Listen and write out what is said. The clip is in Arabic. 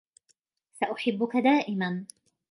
سأحبك دائمًا.